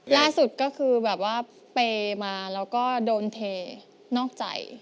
ล่าสุดก็คือแบบว่าเปย์มาแล้วก็โดนเทนอกใจ